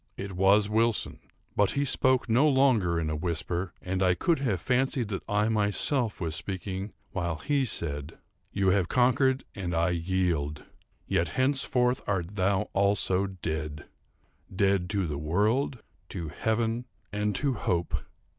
It was Wilson; but he spoke no longer in a whisper, and I could have fancied that I myself was speaking while he said: _"You have conquered, and I yield. Yet, henceforward art thou also dead—dead to the World, to Heaven and to Hope!